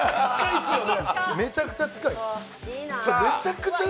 めちゃくちゃ近い。